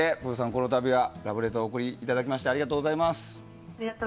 この度はラブレターをお送りいただきましてありがとうございます。